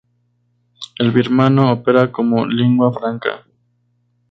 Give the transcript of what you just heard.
El birmano opera como lingua franca.